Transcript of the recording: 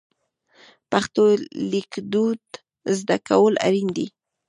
پښتو لیکدود زده کول اړین دي.